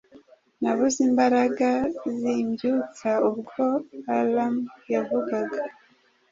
Nabuze imbaraga zimbyutsa ubwo alarm yavugaga